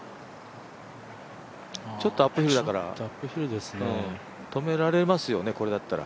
ちょっとアップヒルだから、止められますよね、これだったら。